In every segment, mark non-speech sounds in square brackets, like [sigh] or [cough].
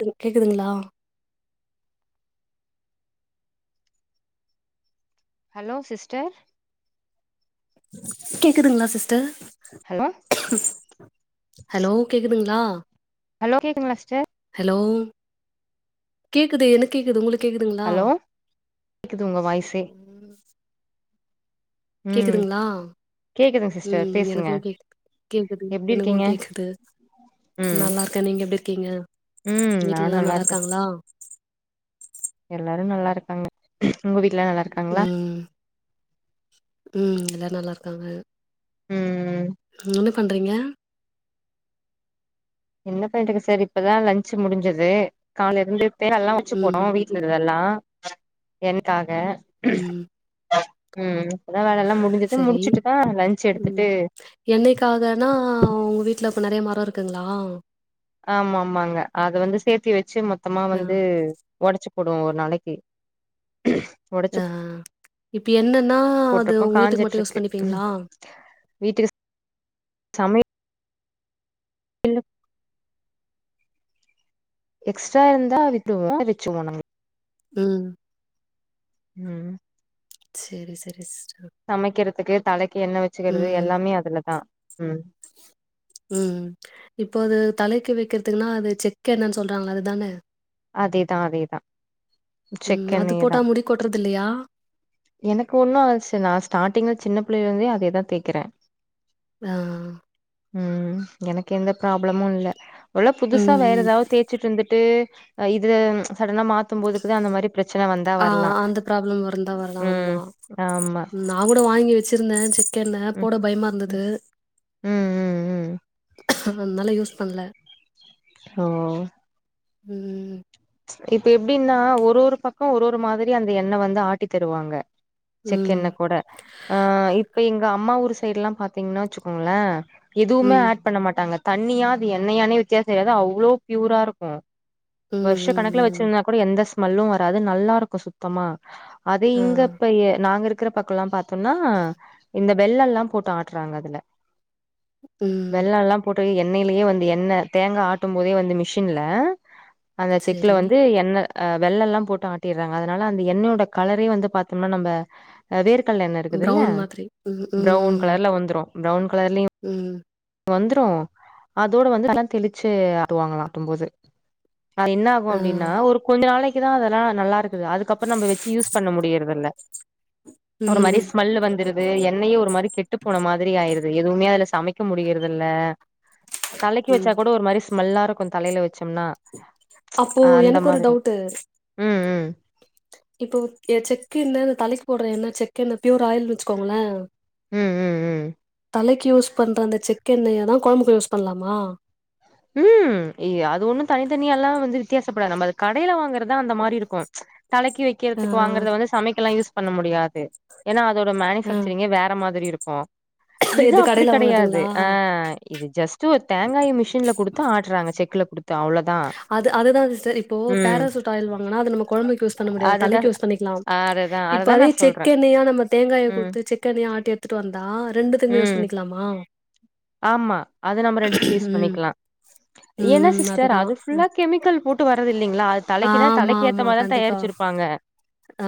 கு கேக்குதுங்ளா? Hello sister கேக்குதுங்ளா சிஸ்டர் ஹலோ ஹலோ கேக்குதுங்ளா ஹலோ கேக்குதுங்ளா சிஸ்டர் ஹலோ கேக்குது எனக் கேக்குது உங்களுக் அலோ க்குது உங்க வாய்ஸே ம் கேக்குதுங்ளா கேக்குதுங்க சிஸ்டர் ம் பேசுங்க எனக்கு கே கேக்குது எப்டி எனக்கு இருக்கீங்க கேக்குது ம் நல்லாருக் க நீங்க எப்டி இருக்கிங்க ம் நா வீட்ல எல்லா நல்லா இருக்கே நல்லாருக்காங்ளா எல்லாரு நல்லாருக்காங்க ஒங்க வீட்ல நல்லா இரு ம் ம் எல்லாரு நல்லாருக்காங்க ம் ம் ம் என்ன பண்றீங்க என்ன பண்றது சார் இப்பதா லன்ஞ்சு முடிஞ்சது காலேருந்து தேங்கால்லா ஒடச்சு ம் போட்டோ வீ வீட்லகிறதெல்லா என்க்காக ம் ம் இப்பதா வேலல்லா முடிஞ்சுது முடிச்சுட்டுதா லஞ்ச் எடுத்துட்டு எண்ணைக்காகன்னா ஆ ஒங்க வீட்ல அப்ப நெறைய மரோ இருக்குங்ளா ஆமா ஆமாங்க அத வந்து சேத்தி வச்சு மொத்தமா ஆ வந்து ஒடச்சு போடுவோ ஒரு நாளக்கி அ அ இப்ப எண்ணென்னா அது போட்ருக்கோ ஒங்க வீட்டுக்கு மட்டு யூஸ் காஞ்சிட்ருக்கு பண்ணிப்பீங்ளா வீட்டுக்கு சமய இலோ எக்ஸ்ட்ராருந்தா வித்டுவோ வச்சுவோ நாங்க ம் ம் செரி செரி சிஸ்டர் சமக்கிறதுக்கு தலைக்கு எண்ண வச்சுக்கிறது ம், எல்லாமே அதுலதா ம் ம் இப்போ அது தலைக்கு வைக்கிறதுக்குன்னா அது செக்கெண்ணெனு சொல்றாங்கல அதுதானே அதேதா அதேதா ம் அது போட்டா செக்கெண்ணெயேதா முடி கொட்றது இல்லயா எனக்கு ஒண்ணாகாது சிஸ்டர் நா ஸ்டார்டிங்ல சின்ன பிள்ளைலேந்தே அதேதா தேக்கிறே அஹ் ம் எனக்கு எந்த ப்ராப்ளமு இல்ல ஒருவேல ம், புதுசா வேற ம். எதாது தே ச்சிட்டு இருந்துட்டு இது சடனா மாத் த்துபோதுக்குதா அந்த மாரி பிரச்சன வந்தா ஆ வரலா அந்த ப்ராப்ளம் ம் ஆமா நா கூட வாங்கி வச்சிருந்தே செக்கெண்ணெ ம் போட ம் பயமாருந்தது ம் ம் ம் அதனால யூஸ் பண்ல ஓ ம் இப்ப எப்டின்னா ஒரு ஒரு பக்கோ ஒரு ஒரு மாதிரி அந்த எண்ணெ வந்து ஆட்டி தருவாங்க செக்கெண்ணெ ம், கூட ஆ இப்ப எங்க அம்மா ஊர் சைடுல்லா பாத்தீங்கன்னா வச்சுக்கோங்ளே எதுவுமே ம், ஆட் பண்ண மாட்டாங்க தண்ணியா அது எண்ணெயானே வித்தியாசோ தெரியாது அவ்ளோ பியூரா இருக்கு ம், வருஷ ம், கணக்குல ம். வச்சிருந்தா கூட எந்த ஸ்மெல்லு வராது நல்லா இருக்கு சுத்தமா அதே ஆ. இங்கப் பெரிய நாங்க இருக் இருக்குற பக்கோல்லா பாத்தோம்னா இந்த வெள்ளோல்லா போட்டு ஆட்டுறாங்க அதுல ம். வெள்ளோல்லா போட்டு எண்ணெயிலயே வந்து எண்ணெ தேங்கா ஆட்டும் போதே வந்து மிஷின்ல அந்த செக்ல சரி. வந்து என்ன அ வெள்ள ல்லா போட்டு ஆட்டிறாங்க அதனால அந்த எண்ணெயோட கலரே வந்து பாத்தோம்னா நம்ப வேர்கல்ல எண்ண இருக்குதுல்ல ப்ரவுன் மாதிரி. ம், பிரவுன் கலர்ல வந்துரும பிரவுன் கலர்லயு உம் வந்துரு அதோட வந்து அதெல்லா தெளிச்சு ஆட்டுவாங்களா ஆட்டும்போது அது என்ன ஆகு ஆ. அப்டின்னா ஒரு கொஞ்ச நாளைக்குதா அதெல்லா நல்லா இருக் அதுக்கப்றோ நம்ப வெச்சி யூஸ் பண்ண முடியறது இல்ல ஒரு மாரி ம், ஸ்மெல் வந்துரு து எண்ணயு ஒரு மாரி கெட்டு போன மாதிரி ஆயிருது எதுவுமே அதுல சமைக்க முடியறதுல்ல தலைக்கு ம். வச்சா கூட ஒரு மாறி ஸ்மெல்லா இருக்கும் தலைல வச்சோம்னா அப்போ அ அந்த எனக்கு ஒரு மாறி டவுட் ம் ம் இப்போ எ செக்கெண்ணெ இந்த தலைக்கு போட்ற எண்ணெ செக்கெண்ண பியூர் ஆயில்னு வச்சுக்கோங்களன் ம்ம்ம் தலைக்கு யூஸ் பண்ற அந்த செக்க்கு எண்ணெய்யா தான் கொழம்புக்கு யூஸ் பண்ணலாமா ம் இ அது ஒண்ணும் தனித்தனியால்லாம் வந்து வித்தியாசப்படாது நம்ம அது கடையில வாங்கற தான் அந்த மாறி இருக்கும் தலைக்கி ஆ வைக்கிறதுக்கு வாங்கறத வந்து சமைக்கலா யூஸ் பண்ண முடியா து ஏன்னா அதோட ஆ மேனுஃபேக்சரிங்கே வேற மாறி இருக்கும் இது எது அப்டி கடைல கெடயாது வாங்கறதுங்களா ஆ இது ஜஸ்ட் ஒரு தேங்காய் மிஷின்ல கொடுத்து ஆட்டுறாங்க செக்ல குடுத்து அவ்ளோத அது அதுதான் சிஸ்டர் இப்போ பேராசூட் ஆயில் வாங்கன்னா அது நம்ம கொழம்புக்கு யூஸ் பண்ண முடியாது தலைக்கு யூஸ் பண்ணிக்கலாம் ஆ அதுதான் இப்ப அதே செக்கெண்ணெயா நம்ம தேங்காய ம் கொடுத்து செக்கெண்ணயா ஆட்டி எடுத்துட்டு வந்தா ரெண்டுத்துக்குமே யூஸ் ம் பண்ணிக்கலாம் க்கலாமா ஆமா அது நம்ம ரெண்டுத்துக்கு யூஸ் ம் பண்ணிக்கலா ஏனா ம் சிஸ்டர் அதுதா அது ஃபுல்லா கெமிக்கல் போட்டு வரதில்லைங்களா அது தலைக்குனா ஆமா தலைக்கு ஆமா ஏத்த மாறிதா கண்டிப்பா தயாரிச்சிருப்பாங்க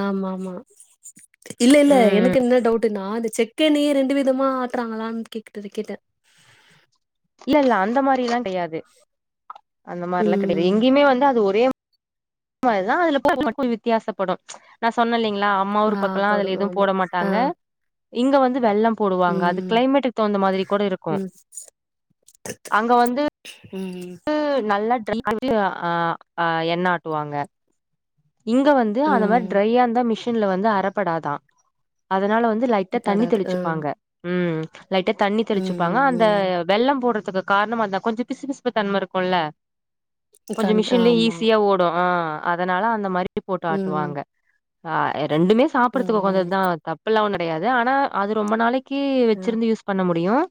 ஆமா ஆமா இல்ல இல்ல ம் எனக்கு என்ன டவுட்னா அந்த செக் எண்ணெயே ரெண்டு விதமா ஆட்டுறாங்களான்னு கேக்குடுது கேட்டே இல்ல இல்ல அந்த மாறில்லா கெடையாது அந்த மாறிலாம் கெடையாது ம் எங்கேயுமே வந்து அது ஒரே சொன்ன மாறிதா [unintelligible] அதுல போ மட்டும் வித்தியாசப்படும் நா சொன்ன இல்லங்களா அம்மா ஊர் ஆ பக்கம்லா அதுல படும் எதும் ஆமா போட ஆ மாட்டாங்க இங்க வந்து வெல்லம் போடுவாங்க அது ம் கிளைமேட்டுக்கு தகுந்த மாதிரி கூட இருக்கும் ம் அங்க வந்து ம் டு நல்லா [unintelligible] ட் அ அ எண்ணெ ஆட்டுவாங்க இங்க வந்து அந்த மாறி ம் ட்ரையா இருந்த மிஷின்ல வந்து அரைப்படாதா அதனால வந்து லை ட்டா தண்ணி படாது ஆ தெளிச்சுப்பாங்க ம் லைட்டா தண்ணி ம் தெளிச்சுப்பாங்க அந்த ம் வெல்லம் போடறதுக்கு காரணம் அந்த கொஞ்சம் பிசு பிசுப்பு தன்மை இருக்கும்ல கொஞ்ச கண் மிஷின்லயும் ஆமா ஈஸியா ஓடும் ஆ அதனால அந்த மாறி போட்டு ம் ஆட்டுவாங்க ஆ ரெண்டுமே சாப்பிறதுக்கு ம் கொஞ்சது ம் தா தப்புல்லாம் கிடயாது ஆனா அது ரொம்ப நாளைக்கு கீ ஆ வச்சிருந்து யூஸ் பண்ண முடியும்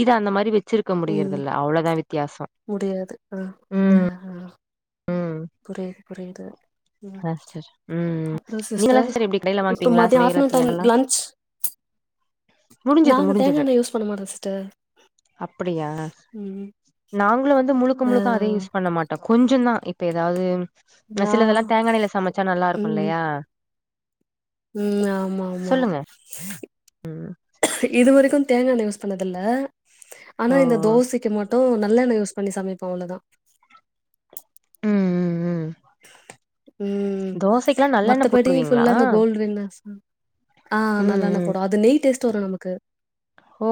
இது அந்த மாறி வச் வச்சிருக்க ம் முடியறதல்ல அவ்ளோதான் வித்தியாசம் முடியாது ஆ ஆ ம் ஆ புரியுது புரியுது ம் [unintelligible] உம் அப்றோ நீங்கள் எல்லா சிஸ்டர் சிஸர் எப்டி கடைல இப்ப வாங்கப்பீங்களா மதியோ ஆஃப்டர்நூன் சமையலுக்கு டைம் எண்ணெ லன்ச் நாங்க தேங்கா எண்ண யூஸ் பண்ண மாட்டோம் சிஸ்டர் அப்டியா ம் நாங்களும் வந்து முழுக்க ஆ முழுக்க அதே யூஸ் பண்ண மாட் டா கொஞ்சந் தா இப்ப எதாது ஆனா நா சிலதெல்லா தேங்காண்ணெல சமச்சா நல்லா ம் இருக்குல்லையா ம் ஆமாமாமா இது வரைக்கு தேங்கா எண்ணெ யூஸ் பண்ணதில்ல ஓ ஆனா இந்த தோசைக்கு மட் டு நல்லண்ண யூஸ் பண்ணி சமைப்போ அவ்ளதா ம் ம் ம் ம் தோசைக்கெல்லா நல்லெண்ண மத்தபடி போடுவீங்களா ஃபுல்லா இந்த கோல்டு வின்னர்சு ஆ ம் நல்லண்ணா ம் போடு அது நெய் டேஸ்ட் வரு நமக்கு ஓ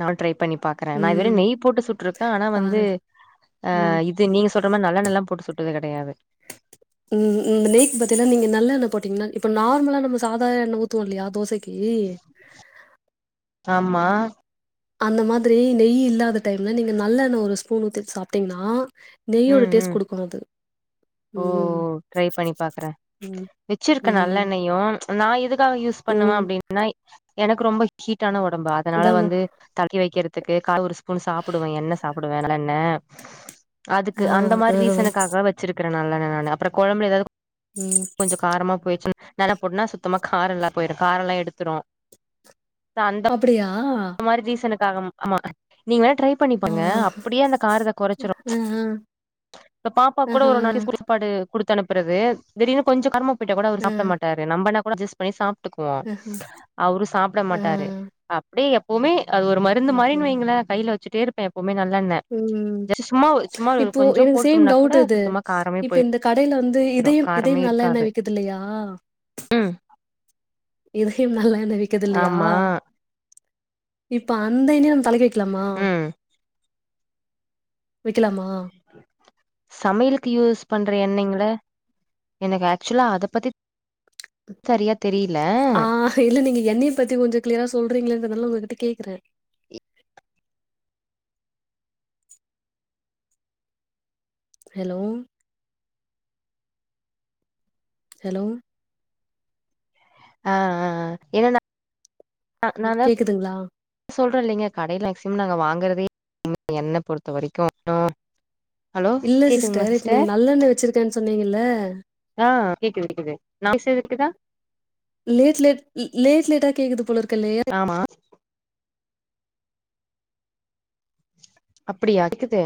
நா ட்ரை பண்ணி பாக்றே நா வெரு ம் நெய் போட்டு சுட்ருக்கே ஆனா வந்து பாருங்க ஆ ம் இது நீங்க சொல்ற மாறி நல்லண்ணலா போட்டு சுட்டது கெடையாது ம் ம் இந்த நெய்க் பதிலா நீங்க நல்லண்ண போட்டீங்கன்னா இப்ப நார்மலா நம சாதா எண்ண ஊத்துவோ இல்லையா தோசைக் கி ஆம்மா அந்த மாதிரி நெய் இல்லாத டைம்ல நீங்க நல்லண்ண ஒரு ஸ்பூன் ஊத்திட் சாப்ட்டீங்கன்னா நெய்யோட ம் டேஸ்ட் ம் குடுக்கு அது ஓ ம் ட்ரை பண்ணி பாக்ற ம் வெச்சிருக்க ம் நல்லெண்ணயு நா எதுக்காக யூஸ் பண்ணுவே ம் அப்டின்னா எனக்கு ரொம்ப ஹீட்டான ஒடம்பு அதனால அதாங்க வந்து தக்கி வைக்கறதுக்கு கால் ஒரு ஸ்பூன் சாப்புடுவே எண்ண சாப்டுவே நல்லெண்ண அதுக்கு ஆ அந்த ஆ மாரி ரீசனுக்காக வச்சிருக்றே நல்லெண்ண நானு அப்றோ கொழம்புல எதாது ம் கொஞ்சோ காரமா போயிச்சு நல போட்னா சுத்தமா காரல்லா போயிடு காரல்லா எடுத்துரு தோ அந் அப்படியா த மாரி ரீசனுக்காகம் ஆமா நீங்க வேணா ட்ரை ஆ ஆ பண்ணிப்பங்க அப்டியே அந்த காரத்த கொறச்சிரு ஆஹா இப்ப பாப்பா ஆ கூட ஒரு நாரி ஸ்கூ சாப் பாடு குடுத்து அனுப்புறது திடீர்னு கொஞ்சோ காரமா போயிட்டா கூட அவரு சாப்ட மாட்டாரு நம்மனா கூட அட்ஜஸ் பண்ணி சாப்ட்டுக்குவோ ஆஹா அவரு சாப்ட ஆ மாட்டாரு அப்டியே எப்போவ்மே அது ஒரு மருந்து ஆஹா மாரின்னு வைங்களே கைல வச்சுட்டே இருப்பே எப்பவுமே நல்லெண்ண ம் ஜஸ்ட் சும்மா சும்மா ஒரு இப்போ கொஞ்சோ எனக் சேம் போட்டோம்னா கூட டவுட் இது சுத்தமா காரமே இப்ப போயிரு இந்த கடையில வந்து இதயம் காரமே இதயம் நல்லெண்ண இருக்காது விக்கிதில்லையா ம் இதயம் நல்லெண்ண விக்கது இல்லையா ஆமா இப்ப அந்த எண்ணயு தலைக்கு வைக் கலாமா ம் வைக்லாமா சமையலுக்கு யூஸ் பண்ற எண்ணெய்ங்ள எனக்கு ஆக்சுவலா அத பத்தி சரியா தெரியல ஆ இல்ல நீங்க எண்ணய பத்தி கொஞ்சோ க்ளியரா சொல்றீங்கங்றனால உங்க கிட்ட கேக்றே ஹெலோ ஹெலோ ஆ ஆ ஆ என்னனா அ நாதா கேக்குதுங்களா சொல்றே இல்லிங்க கடையில ஏக்சிம நாங்க வாங்குறதே ம் என்ன பொறுத்த வரைக்கூ ஆ இல்ல சிஸ்டர் இப்ப நீங்க நல்லெண்ண வச்சிருக்கேன் சொன்னீங்கல ஆ கேக்குது கேக்குது நாய்ஸ் எது கேக்குதா லேஸ் லேட் ல் லேஸ் லேட்டா கேக்குது போல இருக்கல்லையா ஆமா அப்டியா கேக்குது